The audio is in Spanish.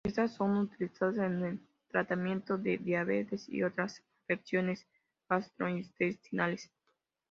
Estas son utilizadas en tratamientos de diabetes y otras afecciones gastrointestinales.